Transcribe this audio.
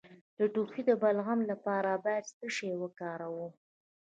د ټوخي د بلغم لپاره باید څه شی وکاروم؟